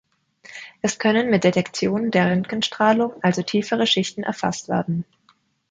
Es können mit Detektion der Röntgenstrahlung also tiefere Schichten erfasst werden.